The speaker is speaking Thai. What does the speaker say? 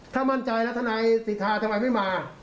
ถ้ามั่นใจแล้วทนายสิทธาทำไมไม่มา